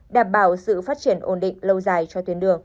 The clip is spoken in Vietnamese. đảm bảo sự phát triển ổn định lâu dài cho tuyến đường